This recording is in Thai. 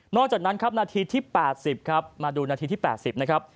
จากนั้นครับนาทีที่๘๐ครับมาดูนาทีที่๘๐นะครับ